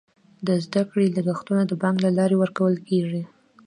د زده کړې لګښتونه د بانک له لارې ورکول کیږي.